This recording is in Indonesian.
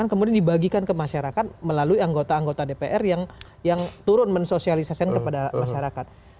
kemudian dibagikan ke masyarakat melalui anggota anggota dpr yang turun mensosialisasikan kepada masyarakat